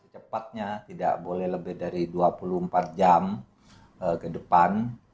cepatnya tidak boleh lebih dari dua puluh empat jam ke depan